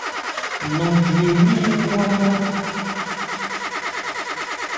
Nanjwi elí nnɛn ńmwá-nmwá.